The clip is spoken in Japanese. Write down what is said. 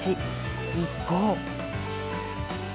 一方。